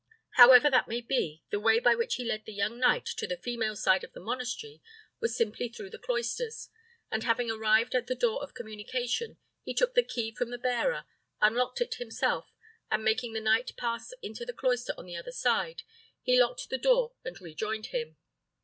However that may be, the way by which he led the young knight to the female side of the monastery was simply through the cloisters; and having arrived at the door of communication, he took the key from the bearer, unlocked it himself, and making the knight pass into the cloister on the other side, he locked the door and rejoined him.